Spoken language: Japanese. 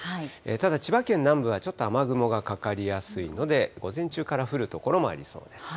ただ、千葉県南部はちょっと雨雲がかかりやすいので、午前中から降る所もありそうです。